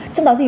trong đó thì